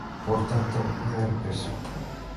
Por tanto, miden peso.